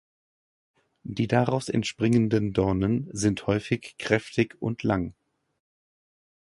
Die daraus entspringenden Dornen sind häufig kräftig und lang.